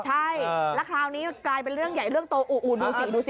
ใช่แล้วคราวนี้กลายเป็นเรื่องใหญ่เรื่องโตอู๋ดูสิดูสิ